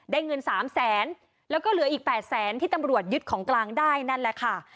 เงิน๓แสนแล้วก็เหลืออีก๘แสนที่ตำรวจยึดของกลางได้นั่นแหละค่ะ